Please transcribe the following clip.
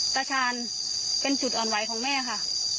ตาชาญเป็นจุดอ่อนไหวของแม่ค่ะ